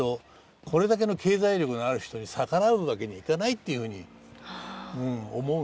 これだけの経済力のある人に逆らうわけにいかないっていうふうに思うんです。